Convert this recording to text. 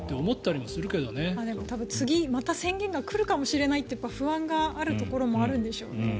でも、また次宣言が来るかもしれないという不安があるところもあるんでしょうね。